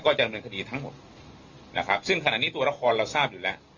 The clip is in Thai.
ดำเนินคดีทั้งหมดนะครับซึ่งขณะนี้ตัวละครเราทราบอยู่แล้ว